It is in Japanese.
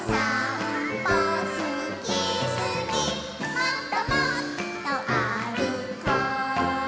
「もっともっとあるこ！」